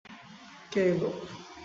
কে এই লোক?